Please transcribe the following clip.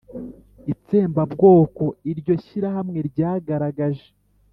itsembabwoko iryo shyirahamwe ryagaragaje